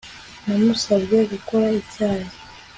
Namusabye gukora icyayi